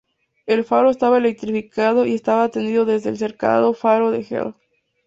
El faro estaba electrificado y estaba atendido desde el cercano faro de Hel.